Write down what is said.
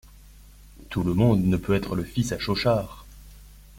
Tout le monde ne peut être le fils à Chauchard.